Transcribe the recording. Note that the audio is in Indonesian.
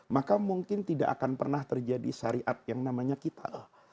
maka mungkin tidak akan pernah terjadi syariat yang namanya kita